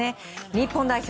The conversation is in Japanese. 日本代表